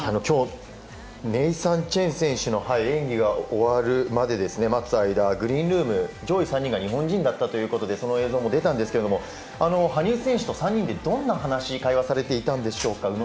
今日、ネイサン・チェン選手の演技が終わるまで待つ間、グリーンルーム上位３人が日本人だったということでその映像が出たんですけど羽生選手と３人でどんな会話をされていたんでしょうか？